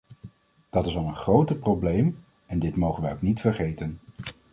Dat is al een groter probleem en dit mogen wij ook niet vergeten.